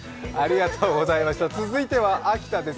続いては秋田です